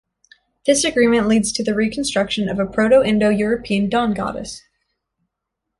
This agreement leads to the reconstruction of a Proto-Indo-European dawn goddess.